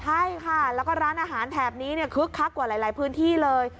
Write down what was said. ใช่ค่ะแล้วก็ร้านอาหารแถบนี้คึกคักกว่าหลายพื้นที่เลย